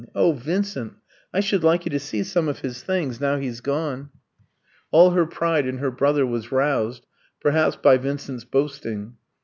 Oh, Vincent, I should like you to see some of his things, now he's gone!" All her pride in her brother was roused, perhaps by Vincent's boasting.